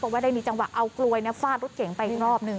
ว่าได้มีจังหวะเอากลวยฟาดรถเก๋งไปอีกรอบหนึ่ง